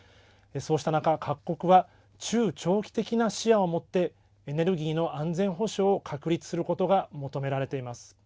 そうした中各国は中長期的な視野を持ってエネルギーの安全保障を確立することが求められています。